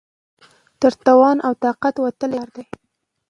تر توان او طاقت وتلی کار دی.